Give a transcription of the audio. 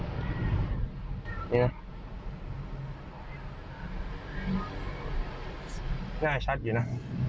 นี่นะหน้าชัดอยู่นะ